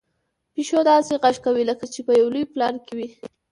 پيشو داسې غږ کوي لکه چې په یو لوی پلان کې وي.